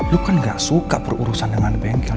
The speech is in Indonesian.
lo kan gak suka perurusan dengan bengkel